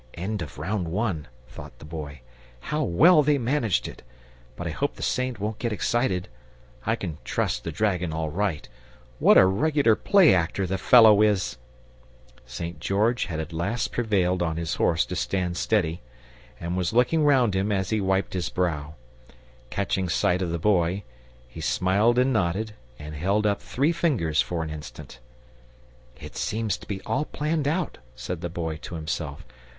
"End of Round One!" thought the Boy. "How well they managed it! But I hope the Saint won't get excited. I can trust the dragon all right. What a regular play actor the fellow is!" St. George had at last prevailed on his horse to stand steady, and was looking round him as he wiped his brow. Catching sight of the Boy, he smiled and nodded, and held up three fingers for an instant. "It seems to be all planned out," said the Boy to himself.